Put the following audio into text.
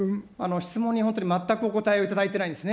質問に本当に全くお答えを頂いてないんですね。